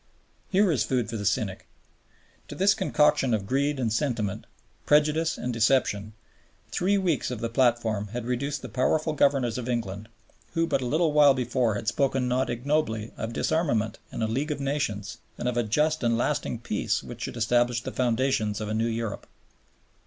Here is food for the cynic. To this concoction of greed and sentiment, prejudice and deception, three weeks of the platform had reduced the powerful governors of England, who but a little while before had spoken not ignobly of Disarmament and a League of Nations and of a just and lasting peace which should establish the foundations of a new Europe.